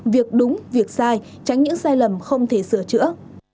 việc đúng việc sai tránh những sai lầm không thể sửa chữa